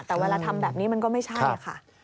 แต่เวลาทำแบบนี้มันก็ไม่ใช่ค่ะ